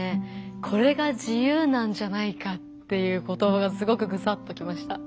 「これが自由なんじゃないか」という言葉がすごくグサッときました。